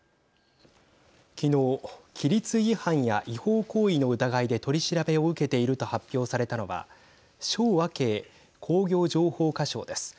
きのう、規律違反や違法行為の疑いで取り調べを受けていると発表されたのは肖亜慶工業情報化相です。